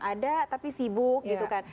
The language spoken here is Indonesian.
ada tapi sibuk